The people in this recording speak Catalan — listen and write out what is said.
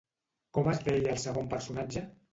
Com es deia el segon personatge?